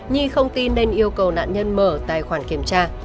nhi không tin nên yêu cầu nạn nhân mở tài khoản kiểm tra